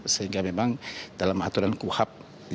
sehingga memang dalam aturan kuhap